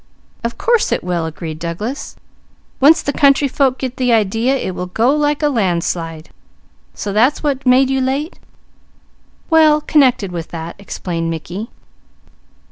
"Of course it will," agreed Douglas. "Once the country folk get the idea it will go like a landslide. So that's what made you late?" "Well connected with that," explained Mickey.